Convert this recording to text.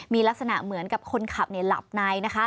มีลักษณะเหมือนกับคนขับหลับในนะคะ